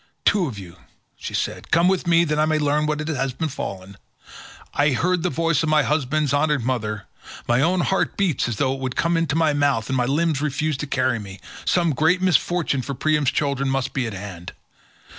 "Two of you," she said, "come with me that I may learn what it is that has befallen; I heard the voice of my husband's honoured mother; my own heart beats as though it would come into my mouth and my limbs refuse to carry me; some great misfortune for Priam's children must be at hand.